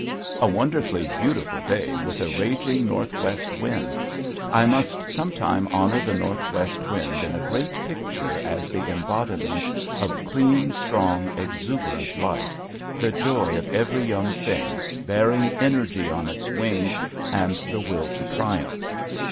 A wonderfully beautiful day with a raging northwest wind. I must sometime honor the northwest wind in a great picture as the embodiment of clean, strong, exuberant life, the joy of every young thing, bearing energy on its wings and the will to triumph.